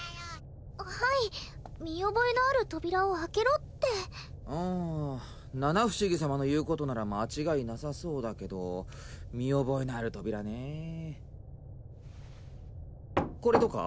はい見覚えのある扉を開けろってうん七不思議様の言うことなら間違いなさそうだけど見覚えのある扉ねえこれとか？